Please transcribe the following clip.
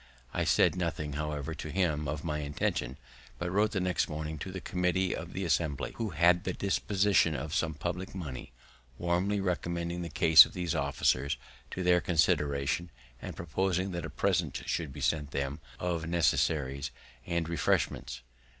I said nothing, however, to him of my intention, but wrote the next morning to the committee of the Assembly, who had the disposition of some public money, warmly recommending the case of these officers to their consideration, and proposing that a present should be sent them of necessaries and refreshments.